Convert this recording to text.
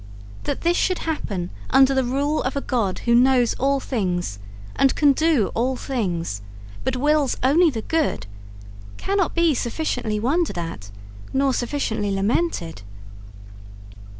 That this should happen under the rule of a God who knows all things and can do all things, but wills only the good, cannot be sufficiently wondered at nor sufficiently lamented.'